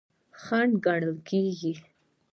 خنډ ګڼل کیږي.